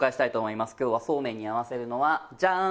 今日はそうめんに合わせるのはジャーン！